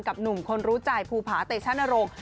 กับหนุ่มคนรู้ใจภูผาเตชานโรง